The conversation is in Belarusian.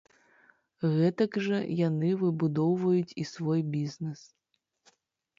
Гэтак жа яны выбудоўваюць і свой бізнес.